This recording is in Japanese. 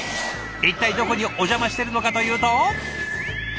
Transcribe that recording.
一体どこにお邪魔してるのかというと。